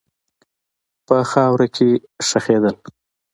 په خاوره کښې خښېدل